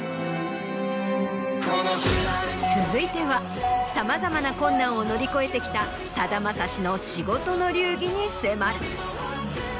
続いてはさまざまな困難を乗り越えてきたさだまさしの仕事の流儀に迫る。